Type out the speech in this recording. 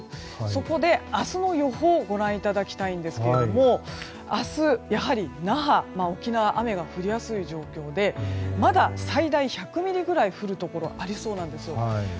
そこで、明日の予報をご覧いただきたいんですけども明日、やはり那覇、沖縄は雨が降りやすい状況でまだ最大１００ミリくらい降るところ、ありそうなんです。